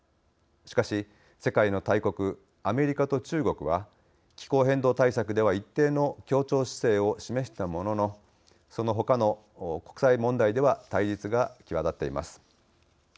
しかし世界の大国アメリカと中国は気候変動対策では一定の協調姿勢を示したもののそのほかの国際問題では対立が際立っています。